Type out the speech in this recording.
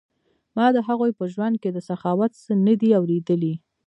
ما د هغوی په ژوند کې د سخاوت څه نه دي اوریدلي.